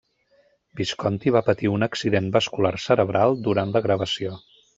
Visconti va patir un accident vascular cerebral durant la gravació.